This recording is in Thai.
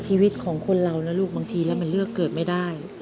ชีวิตของคนเรานะลูกบางทีแล้วมันเลือกเกิดไม่ได้